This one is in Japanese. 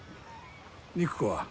肉子は？